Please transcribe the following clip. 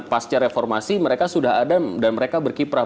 pasca reformasi mereka sudah ada dan mereka berkiprah